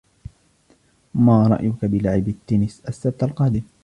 ما رأيك بلعب التنس السبت القادم ؟